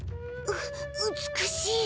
う美しい。